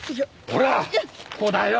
ここだよ。